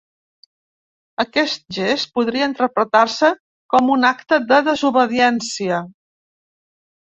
Aquest gest podria interpretar-se com un acte de desobediència.